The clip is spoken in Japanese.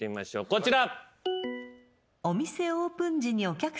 こちら。